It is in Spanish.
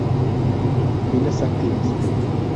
Minas activas.